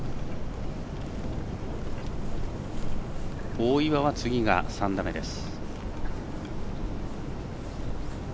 大岩は次が３打目です。